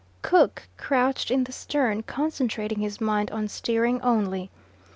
Cook crouched in the stern concentrating his mind on steering only.